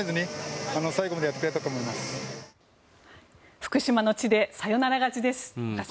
福島の地でサヨナラ勝ちです、若新さん。